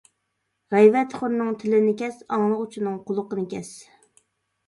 غەيۋەتخورنىڭ تىلىنى كەس، ئاڭلىغۇچىنىڭ قۇلىقىنى كەس.